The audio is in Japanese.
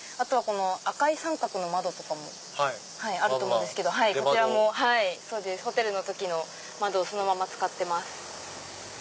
赤い三角の窓とかもあると思うんですけどこちらもホテルの時の窓をそのまま使ってます。